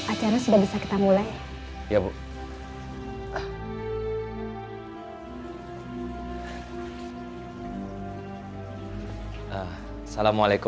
acara sudah bisa kita mulai